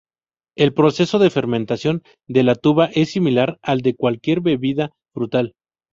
El proceso de fermentación de la tuba es similar al de cualquier bebida frutal.